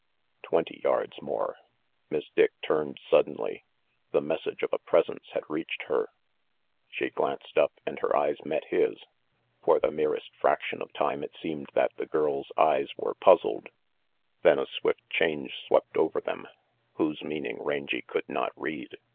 Twenty yards more. Miss Dick turned suddenly. The message of a presence had reached her. She glanced up, and her eyes met his. For the merest fraction of time it seemed that the girl's eyes were puzzled ; then a swift change swept over them, whose meaning Rangy could not read.